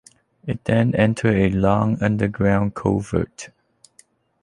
It then enters a long underground culvert.